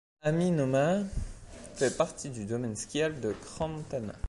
Aminona fait partie du domaine skiable de Crans-Montana.